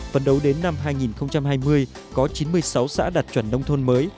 phấn đấu đến năm hai nghìn hai mươi có chín mươi sáu xã đạt chuẩn nông thôn mới